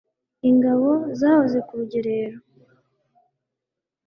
ingabo zahoze ku rugerero